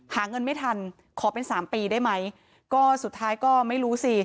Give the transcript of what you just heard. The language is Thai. หาเงินไม่ทันขอเป็นสามปีได้ไหมก็สุดท้ายก็ไม่รู้สิ